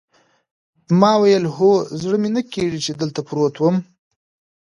ما وویل: هو، زړه مې نه کېږي چې دلته پروت وم.